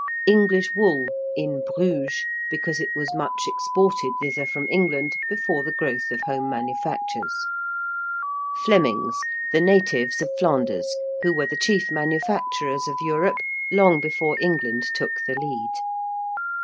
~English wool~ in Bruges, because it was much exported thither from England before the growth of home manufactures. ~Flemings~: the natives of Flanders; who were the chief manufacturers of Europe long before England took the lead.